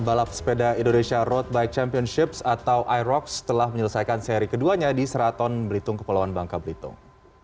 balap sepeda indonesia road bike championships atau irox telah menyelesaikan seri keduanya di seraton belitung kepulauan bangka belitung